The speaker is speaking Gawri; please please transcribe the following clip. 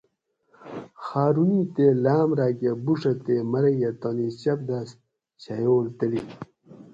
خارونی تے لام راکہ بُوڄہ تے مرگہ تانی چۤپدۤس چھیول تلی